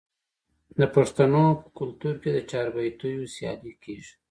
د پښتنو په کلتور کې د چاربیتیو سیالي کیږي.